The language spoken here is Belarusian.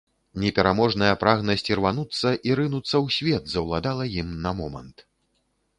Непераможная прагнасць ірвануцца і рынуцца ў свет заўладала ім на момант.